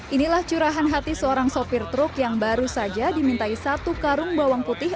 inilah curahan hati seorang sopir truk yang baru saja dimintai satu karung bawang putih